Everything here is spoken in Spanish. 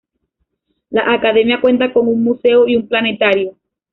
La Academia cuenta con un museo y un planetario.